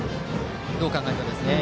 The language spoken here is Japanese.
どう考えるかですね。